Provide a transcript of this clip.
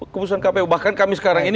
keputusan kpu bahkan kami sekarang ini